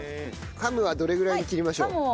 ハムはどれぐらいに切りましょう？